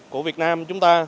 của việt nam chúng ta